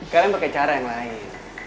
kalian pakai cara yang lain